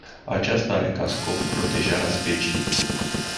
Aceasta are ca scop protejarea speciei.